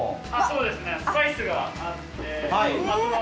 そうですねスパイスがあって。